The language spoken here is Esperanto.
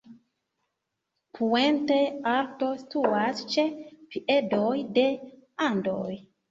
Puente Alto situas ĉe piedoj de Andoj.